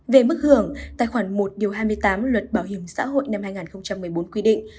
về mức hưởng tài khoản một hai mươi tám luật bảo hiểm xã hội năm hai nghìn một mươi bốn quy định